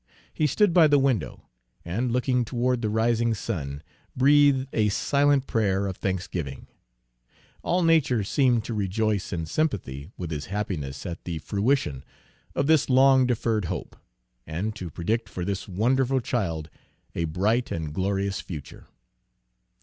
He stood by the window, and looking toward the rising sun, breathed a silent prayer of thanksgiving. All nature seemed to rejoice in sympathy with his happiness at the fruition of this long deferred hope, and to predict for this wonderful child a bright and glorious future.